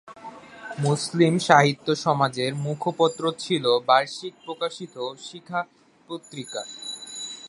মুসলিম সাহিত্য সমাজের মুখপত্র ছিলো বার্ষিক প্রকাশিত শিখা পত্রিকা।